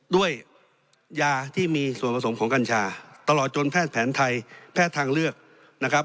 ด้วยยาที่มีส่วนผสมของกัญชาตลอดจนแพทย์แผนไทยแพทย์ทางเลือกนะครับ